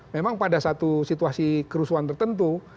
memang pada satu situasi kerusuhan tertentu